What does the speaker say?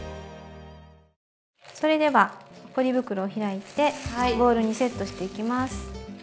それではポリ袋を開いてボウルにセットしていきます。